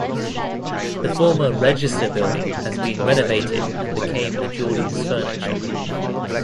The former Register building has been renovated and became a Jordan's Furniture.